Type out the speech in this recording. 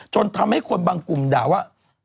จนทำให้คนบางกลุ่มด่าว่า